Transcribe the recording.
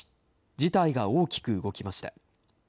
事態が大きく動きました。